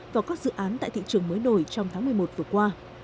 vào các dự án tại thị trường mới nổi trong tháng một mươi một vừa qua